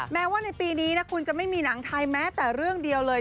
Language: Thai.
แม้ว่าในปีนี้นะคุณจะไม่มีหนังไทยแม้แต่เรื่องเดียวเลย